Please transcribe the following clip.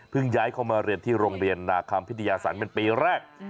ย้ายเข้ามาเรียนที่โรงเรียนนาคัมพิทยาศรเป็นปีแรก